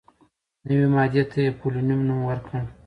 نوې ماده ته یې «پولونیم» نوم ورکړ.